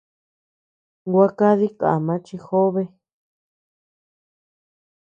Gua kadi kama chi jobe.